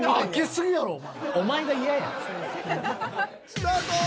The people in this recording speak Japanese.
スタート！